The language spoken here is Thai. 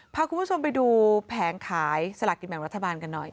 พาคุณผู้ชมไปดูแผงขายสลากกินแบ่งรัฐบาลกันหน่อย